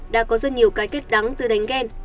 đã có rất nhiều cái kết đắng từ đánh ghen